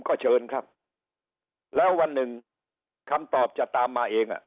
ก็เชิญครับแล้ววันหนึ่งคำตอบจะตามมาเองอ่ะ